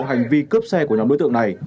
hành vi cướp xe của nhóm đối tượng này